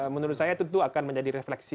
menurut saya tentu akan menjadi refleksi